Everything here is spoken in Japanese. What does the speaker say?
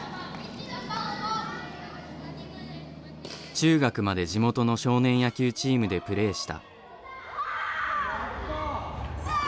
中学まで地元の少年野球チームでプレーした。